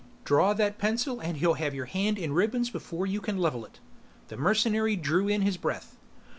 "Draw that pencil and he'll have your hand in ribbons before you can level it." The mercenary drew in his breath.